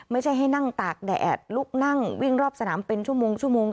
ไม่ใช่ให้นั่งตากแดดลุกนั่งวิ่งรอบสนามเป็นชั่วโมงชั่วโมง